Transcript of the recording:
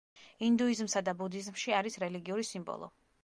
ინდუიზმსა და ბუდიზმში არის რელიგიური სიმბოლო.